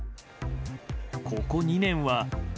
ここ２年は。